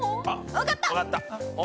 分かった。